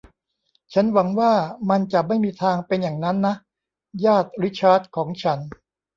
ฉันหวังว่ามันจะไม่มีทางเป็นอย่างนั้นนะ ญาติริชาร์ดของฉัน